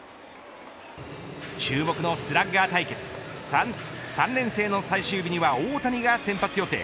注目のスラッガー対決３連戦の最終日には大谷が先発予定。